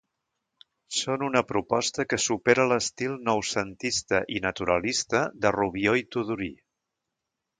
Són una proposta que supera l'estil noucentista i naturalista de Rubió i Tudurí.